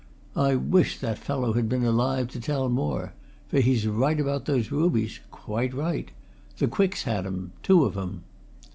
"I wish that fellow had been alive, to tell more! For he's right about those rubies quite right. The Quicks had 'em two of 'em."